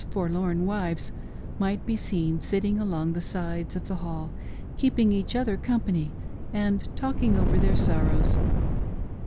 forlorn wives might be seen sitting along the sides of the" hall, keeping each other company and talking over their sorrows.